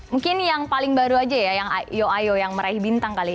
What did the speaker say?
mungkin yang paling baru aja ya yang io ayo yang meraih bintang kali